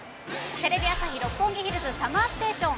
テレビ朝日・六本木ヒルズＳＵＭＭＥＲＳＴＡＴＩＯＮ。